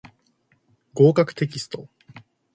合格テキスト